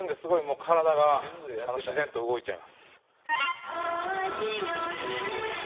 もう体が自然と動いちゃいます。